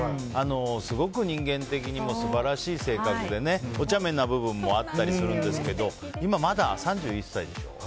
すごく人間的にも素晴らしい性格でねおちゃめな部分もあったりするんですけど今、まだ３１歳でしょ？